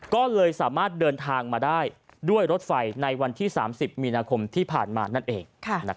ก็เลยสามารถเดินทางมาได้ด้วยรถไฟในวันที่๓๐มีนาคมที่ผ่านมานั่นเอง